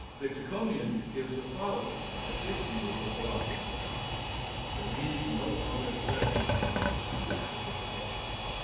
Victor Comyin gives the following as his view of the philosophy of Hobbes: "There is no other certain evidence than that of the senses.